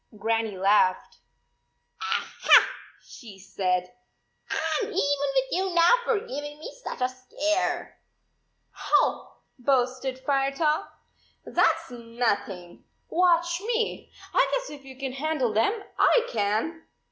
Grannie laughed. "Aha," she said, "I m even with you now for giving me such a scare." " Ho," boasted Firetop, " that s nothing. Watch me ! I guess if you can handle them I can."